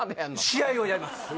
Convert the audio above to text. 試合をやります